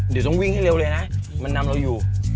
เดี๋ยวต้องวิ่งให้เร็วเลยนะมันนำเราอยู่